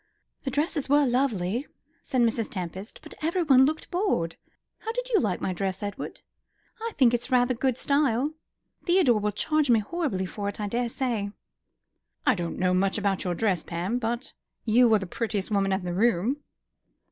"The dresses were lovely," said Mrs. Tempest, "but everyone looked bored. How did you like my dress, Edward? I think it's rather good style. Theodore will charge me horribly for it, I daresay." "I don't know much about your dress, Pam, but you were the prettiest woman in the room."